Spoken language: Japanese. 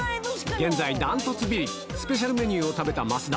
現在、断トツビリ、スペシャルメニューを食べた増田。